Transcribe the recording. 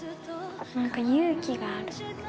なんか勇気がある。